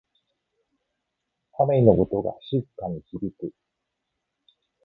雨の音が静かに響く。